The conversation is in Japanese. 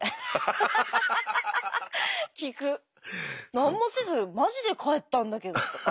「何もせずマジで帰ったんだけど」とか。